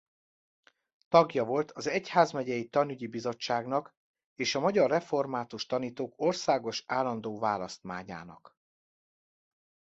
Tagja volt az egyházmegyei tanügyi bizottságnak és a magyar református tanítók országos állandó választmányának.